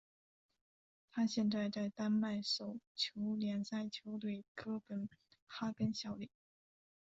他现在在丹麦手球联赛球队哥本哈根效力。